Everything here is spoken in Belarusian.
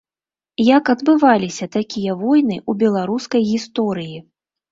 Як адбываліся такія войны ў беларускай гісторыі?